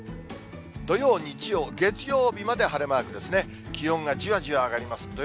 土曜、日曜、月曜日まで晴れマークですね、気温がじわじわ上がります。